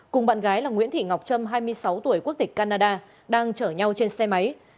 cùng bạn gái là nguyễn thị ngọc trâm hai mươi sáu tuổi quốc tịch canada đang chở nhau trên xe máy